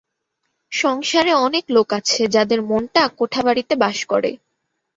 সংসারে অনেক লোক আছে যাদের মনটা কোঠাবাড়িতে বাস করে।